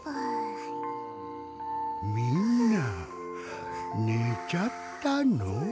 みんなねちゃったの？